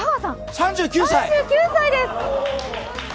３９歳です！